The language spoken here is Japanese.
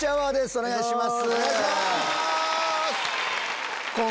お願いします。